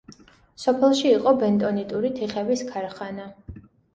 სოფელში იყო ბენტონიტური თიხების ქარხანა.